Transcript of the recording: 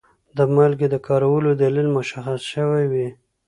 د مالګې د کارولو دلیل مشخص شوی وي.